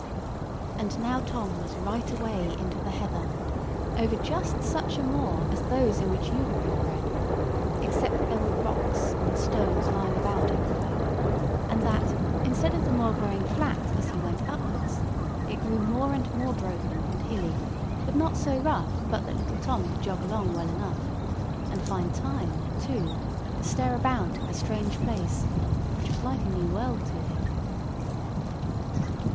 And now Tom was right away into the heather, over just such a moor as those in which you have been bred, except that there were rocks and stones lying about everywhere, and that, instead of the moor growing flat as he went upwards, it grew more and more broken and hilly, but not so rough but that little Tom could jog along well enough, and find time, too, to stare about at the strange place, which was like a new world to him.